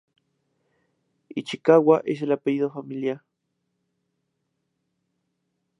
Ichikawa es el apellido familiar.